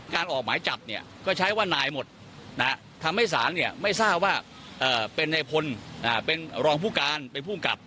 ออกหมายจับเนี่ยก็ใช้ว่านายหมดทำให้ศาลเนี่ยไม่ทราบว่าเป็นในพลเป็นรองผู้การเป็นผู้กลับ